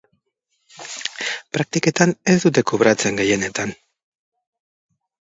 Praktiketan ez dute kobratzen, gehienetan.